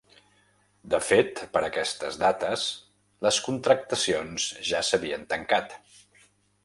De fet, per aquestes dates, les contractacions ja s’havien tancat.